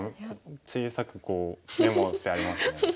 小さくメモをしてありますね。